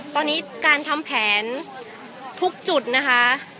ตอนนี้การทำแผนทุกจุดนะคะ